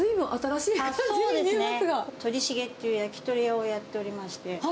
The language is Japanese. そうですね、鳥茂っていう焼き鳥屋をやっておりまして。